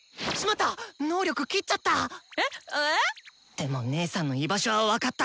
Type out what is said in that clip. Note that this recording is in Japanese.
でも姐さんの居場所は分かった！